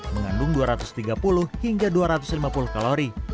mengandung dua ratus tiga puluh hingga dua ratus lima puluh kalori